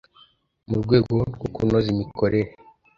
mu rwego rwo kunoza imikorere